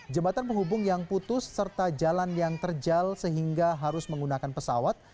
jembatan penghubung yang putus serta jalan yang terjal sehingga harus menggunakan pesawat